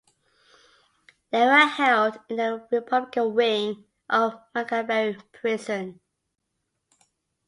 They were held in the Republican wing of Maghaberry prison.